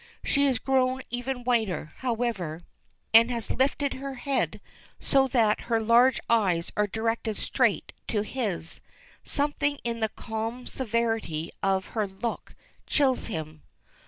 She has grown even whiter, however, and has lifted her head so that her large eyes are directed straight to his. Something in the calm severity of her look chills him.